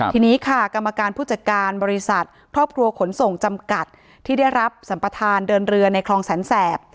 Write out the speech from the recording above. ทีนี้ค่ะกรรมการผู้จัดการบริษัทครอบครัวขนส่งจำกัดที่ได้รับสัมประธานเดินเรือในคลองแสนแสบ